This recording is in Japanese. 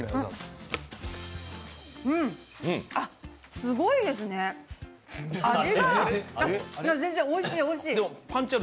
すごいですね、おいしい、おいしい。